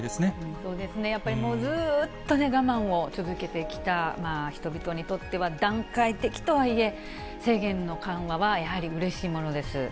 そうですね、やっぱりもうずっとね、我慢を続けてきた人々にとっては、段階的とはいえ、制限の緩和はやはりうれしいものです。